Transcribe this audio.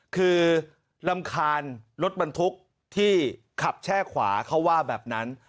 คือรำคาญรถบรรทุกที่ขับแช่ขวาเขาว่าแบบนั้น